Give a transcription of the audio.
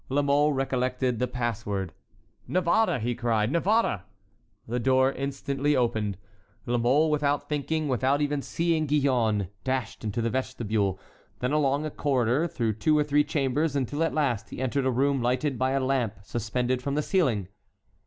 La Mole recollected the pass word. "Navarre—Navarre!" cried he. The door instantly opened. La Mole, without thanking, without even seeing Gillonne, dashed into the vestibule, then along a corridor, through two or three chambers, until at last he entered a room lighted by a lamp suspended from the ceiling.